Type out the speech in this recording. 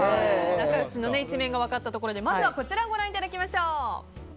仲良しの一面が分かったところでまずこちらをご覧いただきましょう。